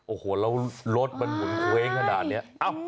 โอ้โหแล้วรถมันหมุนเว้งขนาดนี้